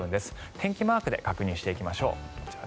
天気マークで確認していきましょう。